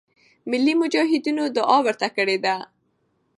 ملی مجاهدینو دعا ورته کړې ده.